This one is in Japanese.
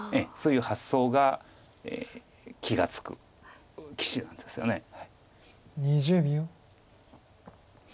そういう発想が気が付く棋士なんですよね。